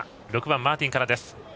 ６番、マーティンからです。